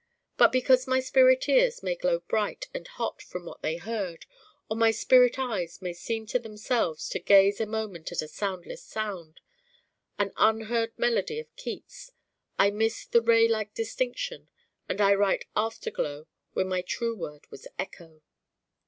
But because my spirit ears may glow bright and hot from what they heard, or my spirit eyes may seem to themselves to gaze a moment at a soundless sound an Unheard Melody of Keats, I miss the raylike distinction and I write After glow when my true word was Echo.